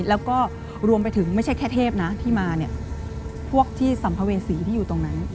แล้วก็รวมไปถึงไม่ใช่แค่เทพนะที่มาเนี่ยพวกที่สัมภเวษีที่อยู่ตรงนั้น